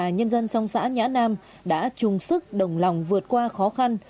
nhân dân trong xã nhã nam đã chung sức đồng lòng vượt qua khó khăn